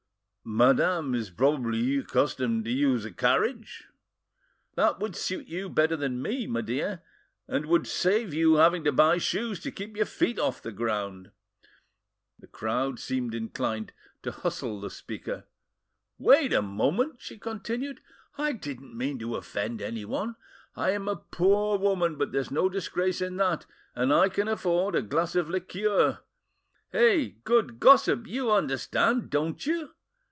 Madame is probably accustomed to use a carriage." "That would suit you better than me, my dear, and would save your having to buy shoes to keep your feet off the ground!" The crowd seemed inclined to hustle the speaker,— "Wait a moment!" she continued, "I didn't mean to offend anyone. I am a poor woman, but there's no disgrace in that, and I can afford a glass of liqueur. Eh, good gossip, you understand, don't you?